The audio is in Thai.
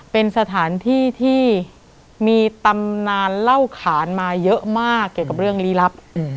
เป็นสถานที่ที่มีตำนานเล่าขานมาเยอะมากเกี่ยวกับเรื่องลี้ลับ